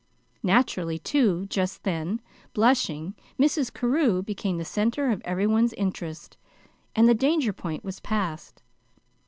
Naturally, too, just then, blushing Mrs. Carew became the center of every one's interest, and the danger point was passed.